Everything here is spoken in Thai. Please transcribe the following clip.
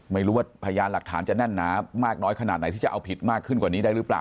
พยานหลักฐานจะแน่นหนามากน้อยขนาดไหนที่จะเอาผิดมากขึ้นกว่านี้ได้หรือเปล่า